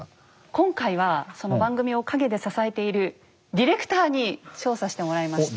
今回は番組を陰で支えているディレクターに調査してもらいました。